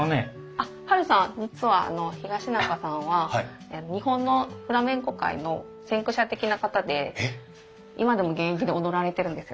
あっハルさん実は東仲さんは日本のフラメンコ界の先駆者的な方で今でも現役で踊られてるんですよ。